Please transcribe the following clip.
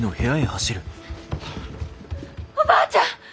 おばあちゃん！